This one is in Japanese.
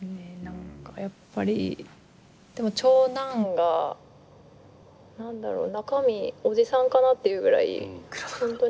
何かやっぱりでも長男が何だろう中身おじさんかなっていうぐらい本当に落ち着いてて優しくて。